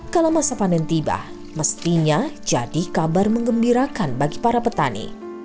kalau masa panen tiba mestinya jadi kabar mengembirakan bagi para petani